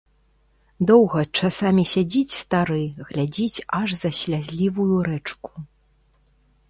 Доўга часамі сядзіць стары, глядзіць аж за слязлівую рэчку.